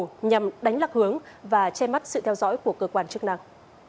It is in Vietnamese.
hội đồng đánh lạc hướng và che mắt sự theo dõi của cơ quan chức năng